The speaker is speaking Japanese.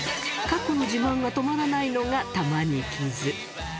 過去の自慢が止まらないのがたまにきず。